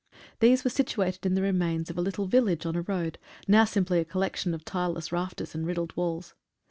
These were situated in the remains of a little village on a road, now simply a col lection of tileless rafters, and riddled walls.